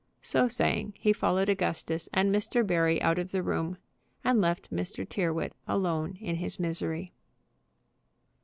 So saying, he followed Augustus and Mr. Barry out of the room, and left Mr. Tyrrwhit alone in his misery.